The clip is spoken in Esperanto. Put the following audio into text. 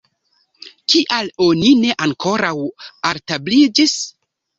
Kial oni ne ankoraŭ altabliĝis?